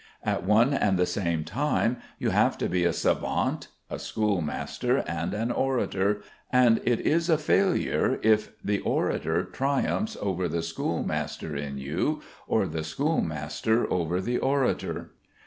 At one and the same time you have to be a savant, a schoolmaster, and an orator, and it is a failure if the orator triumphs over the schoolmaster in you or the schoolmaster over the orator.